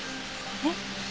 えっ？